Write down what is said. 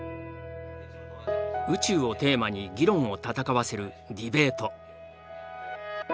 宇宙をテーマに議論を戦わせるディベート。